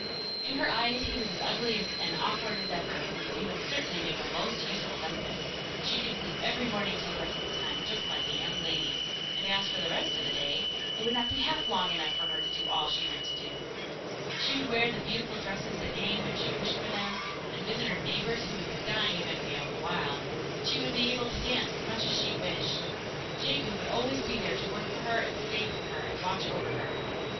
In her eyes he was as ugly and awkward as ever, but he would certainly make a most useful husband, and she could sleep every morning till breakfast time, just like a young lady, and as for the rest of the day, it would not be half long enough for all she meant to do. She would wear the beautiful dresses that came when she wished for them, and visit her neighbours, who would be dying of envy all the while, and she would be able to dance as much as she wished. Jegu would always be there to work for her and save for her, and watch over her.